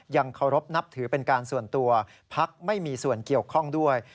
เคารพนับถือเป็นการส่วนตัวพักไม่มีส่วนเกี่ยวข้องด้วย